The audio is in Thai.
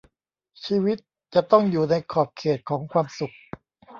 ชีวิตจะต้องอยู่ในขอบเขตของความสุข